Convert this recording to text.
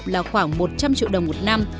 là khoảng một trăm linh triệu đồng một năm